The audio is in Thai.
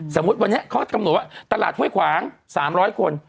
สมมุติวันนี้เขากำหนดว่าตลาดห้วยขวาง๓๐๐คน